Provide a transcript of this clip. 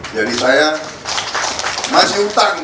jadi saya masih utang